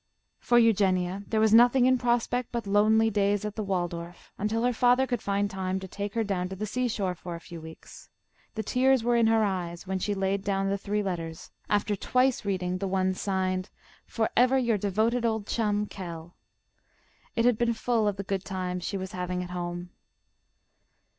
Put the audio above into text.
For Eugenia there was nothing in prospect but lonely days at the Waldorf, until her father could find time to take her down to the seashore for a few weeks. The tears were in her eyes when she laid down the three letters, after twice reading the one signed, "For ever your devoted old chum, Kell." It had been full of the good times she was having at home.